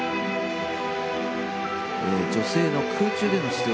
女性の空中での姿勢